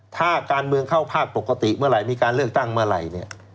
ถ้าการเมืองเข้าภาคปกติเมื่อไหร่มีการเลือกตั้งเมื่อไหร่เนี่ย